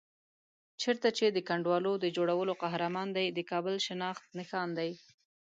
چېرته چې د کنډوالو د جوړولو قهرمان دی، د کابل شناخت نښان دی.